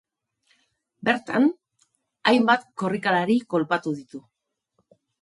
Bertan, hainbat korrikalari kolpatu ditu.